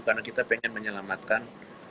karena kita ingin menyelamatkan